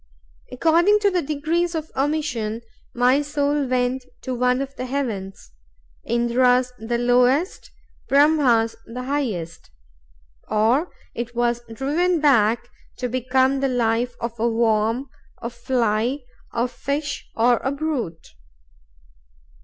According to the degrees of omission, my soul went to one of the heavens—Indra's the lowest, Brahma's the highest; or it was driven back to become the life of a worm, a fly, a fish, or a brute.